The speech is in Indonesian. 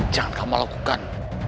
jangan kamu lakukan